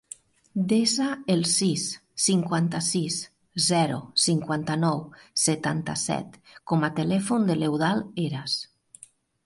Desa el sis, cinquanta-sis, zero, cinquanta-nou, setanta-set com a telèfon de l'Eudald Heras.